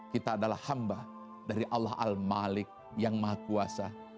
kita adalah hamba dari allah al malik yang maha kuasa